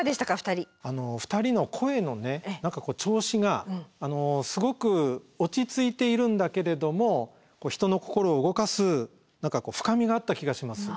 ２人の声の調子がすごく落ち着いているんだけれども人の心を動かす何か深みがあった気がします。